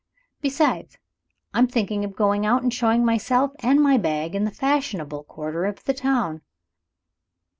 Besides, I'm thinking of going out, and showing myself and my bag in the fashionable quarter of the town.